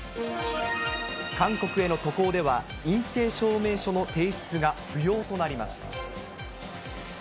韓国への渡航では、陰性証明書の提出が不要となります。